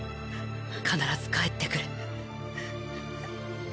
必ず帰ってくる！